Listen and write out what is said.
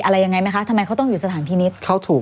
อะไรยังไงไหมคะทำไมเขาต้องอยู่สถานพินิษฐ์เขาถูก